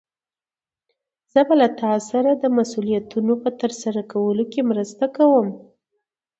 زه به له تا سره د مسؤليتونو په ترسره کولو کې مرسته کوم.